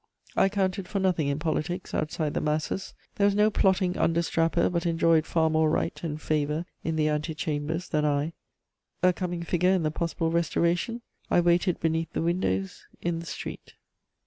I counted for nothing in politics, outside the masses; there was no plotting understrapper but enjoyed far more right and favour in the ante chambers than I: a coming figure in the possible Restoration, I waited beneath the windows, in the street.